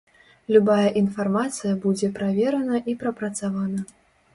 Любая інфармацыя будзе праверана і прапрацавана.